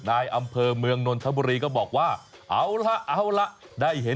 นายอำเภอเมืองนนรธบุรีก็บอกว่า